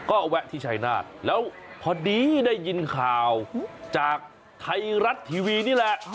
ก็แวะที่ชายนาฏแล้วพอดีได้ยินข่าวจากไทยรัฐทีวีนี่แหละ